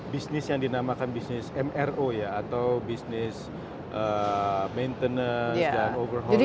bisnis yang dinamakan bisnis mro ya atau bisnis maintenance dan overhaul